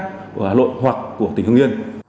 của hà nội hoặc của tỉnh hương yên